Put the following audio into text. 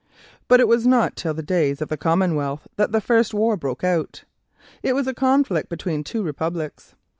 But it was not till the days of the Commonwealth that the first war broke out. It was a conflict between two republics.